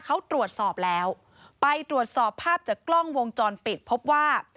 เขาตรวจสอบแล้วไปตรวจสอบภาพจากกล้องวงจรปิดพบว่า